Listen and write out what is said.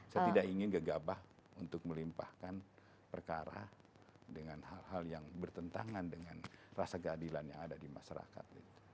saya tidak ingin gegabah untuk melimpahkan perkara dengan hal hal yang bertentangan dengan rasa keadilan yang ada di masyarakat